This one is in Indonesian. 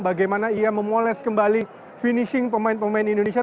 bagaimana ia memoles kembali finishing pemain pemain indonesia